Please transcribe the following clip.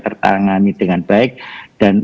tertangani dengan baik dan